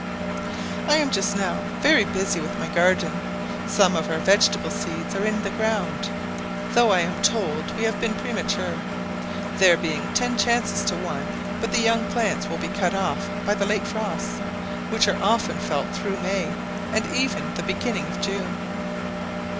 I am just now very busy with my garden. Some of our vegetable seeds are in the ground, though I am told we have been premature; there being ten chances to one but the young plants will be cut off by the late frosts, which are often felt through May, and even the beginning of June.